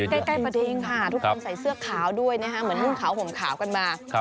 ใกล้กระทิงค่ะทุกคนใส่เสื้อขาวด้วยนะคะเหมือนนุ่งขาวห่มขาวกันมา